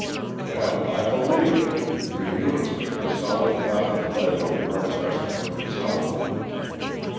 " Well, I believe it; for you 'uns kept a solid cloud of lead over our breast work at Selma."